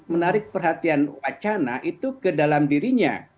menarik perhatian wacana itu ke dalam dirinya